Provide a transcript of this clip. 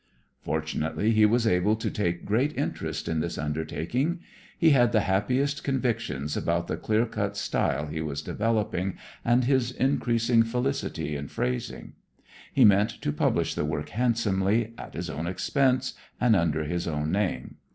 Fortunately, he was able to take great interest in this undertaking. He had the happiest convictions about the clear cut style he was developing and his increasing felicity in phrasing. He meant to publish the work handsomely, at his own expense and under his own name.